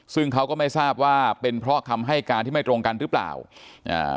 ซึ่งเขาก็ไม่ทราบว่าเป็นเพราะคำให้การที่ไม่ตรงกันหรือเปล่าอ่า